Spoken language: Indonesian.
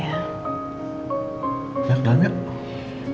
ya ke dalam ya